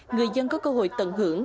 người dân có cơ hội tận hưởng